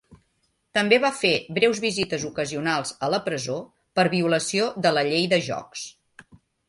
També va fer breus visites ocasionals a la presó per violació de la llei de jocs.